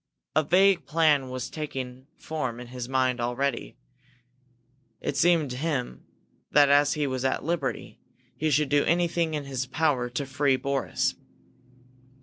A vague plan was taking form in his mind already. It seemed to him that, as he was at liberty, he should do anything that was in his power to free Boris.